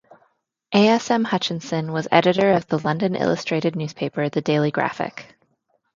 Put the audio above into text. A. S. M Hutchinson was editor of the London illustrated newspaper, "The Daily Graphic".